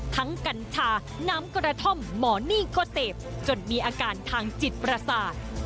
กัญชาน้ำกระท่อมหมอนี่ก็เสพจนมีอาการทางจิตประสาท